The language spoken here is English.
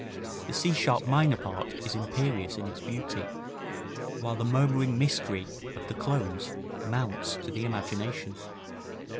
The C sharp minor part is imperious in its beauty, while the murmuring mystery of the close mounts to the imagination.